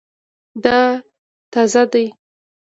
دا تازه دی